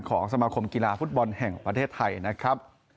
สมาคมกีฬาฟุตบอลแห่งประเทศไทยนะครับ